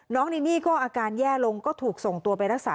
นินี่ก็อาการแย่ลงก็ถูกส่งตัวไปรักษา